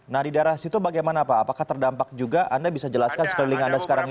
nah di daerah situ bagaimana pak apakah terdampak juga anda bisa jelaskan sekeliling anda sekarang ini